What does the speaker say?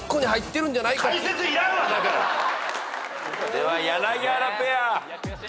では柳原ペア。